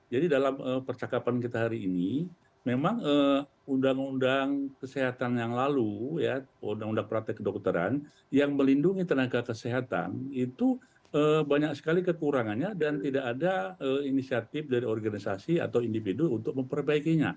jadi dalam percakapan kita hari ini memang undang undang kesehatan yang lalu ya undang undang praktek dokteran yang melindungi tenaga kesehatan itu banyak sekali kekurangannya dan tidak ada inisiatif dari organisasi atau individu untuk memperbaikinya